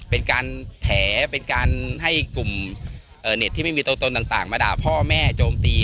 เป็นการแถเป็นการให้กลุ่มเน็ตที่ไม่มีตัวตนต่างมาด่าพ่อแม่โจมตี